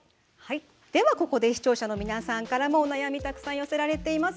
ではここで視聴者の皆さんからもお悩みたくさん寄せられています。